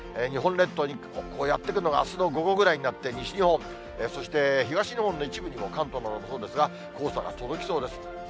日本列島にやって来るのがあすの午後ぐらいになって、西日本、そして東日本の一部にも、関東などのほうですが、黄砂が飛んできそうです。